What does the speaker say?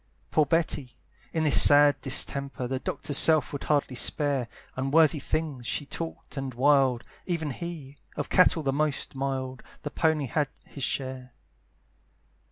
Poor Betty! in this sad distemper, The doctor's self would hardly spare, Unworthy things she talked and wild, Even he, of cattle the most mild, The pony had his share.